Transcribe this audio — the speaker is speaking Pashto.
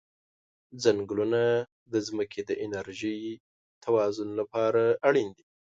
ځنګلونه د ځمکې د انرژی توازن لپاره اړین دي.